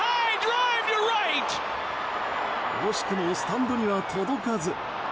惜しくもスタンドには届かず。